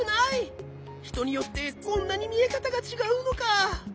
ひとによってこんなにみえかたがちがうのか！